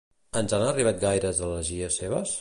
Ens han arribat gaires elegies seves?